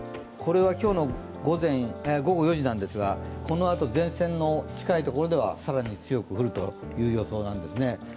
今日の午後４時なんですが、前線の近いところでは更に強く降るという予想なんですね。